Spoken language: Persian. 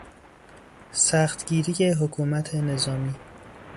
سختگیری حکومت نظامی